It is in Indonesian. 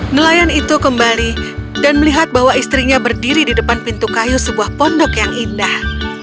nelayan itu kembali dan melihat bahwa istrinya berdiri di depan pintu kayu sebuah pondok yang indah